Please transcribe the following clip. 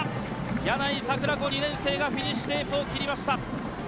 柳井桜子、２年生がフィニッシュテープを切りました。